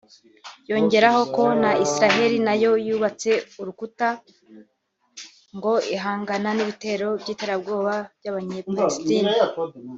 yongeraho ko na Isiraheli nayo yubatse urukuta ngo ihangana n’ibitero by’iterabwoba by’abanyepalistina